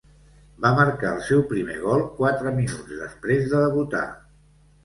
Va marcar el seu primer gol quatre minuts després de debutar.